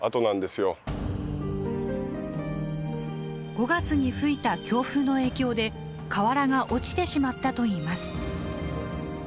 ５月に吹いた強風の影響で瓦が落ちてしまったといいます。